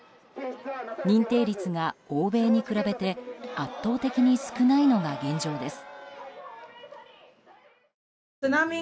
認定率が欧米に比べて圧倒的に少ないのが現状です。